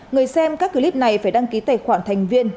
người xem các clip này phải đăng ký tài khoản thành viên